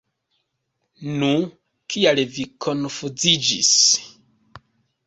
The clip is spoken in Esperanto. Nu, kial vi konfuziĝis?